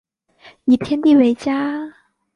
以天地为家